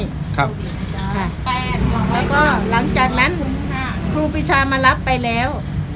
แล้วก็หลังจากนั้นครูปีชามารับไปแล้ว